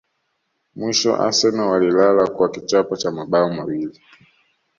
Mwisho Arsenal walilala kwa kichapo cha mabao mawili